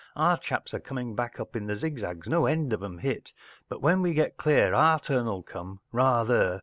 Our chaps are coming back up the zigzags .... No end of ’em hit. ... But when we get clear our turn’ll come. Rather